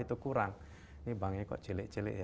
itu kurang ini banknya kok cilik cilik